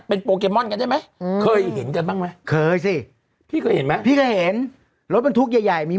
เป็นโปเกมอนกันใช่ไหม